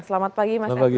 selamat pagi mas edwin